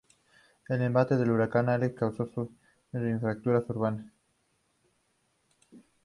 El embate del huracán "Alex" causo serios daños en la infraestructura urbana.